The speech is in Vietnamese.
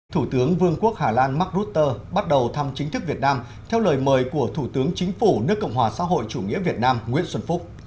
thủ tướng vương quốc hà lan mark rutte bắt đầu thăm chính thức việt nam theo lời mời của thủ tướng chính phủ nước cộng hòa xã hội chủ nghĩa việt nam nguyễn xuân phúc